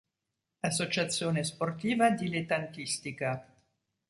Associazione Sportiva Dilettantistica.